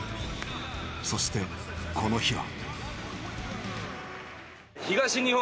そしてこの日は。